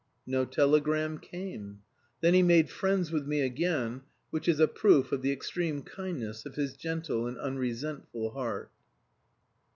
No telegram came. Then he made friends with me again, which is a proof of the extreme kindness of his gentle and unresentful heart.